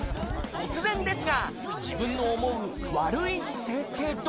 突然ですが自分の思う悪い姿勢？いきますよ。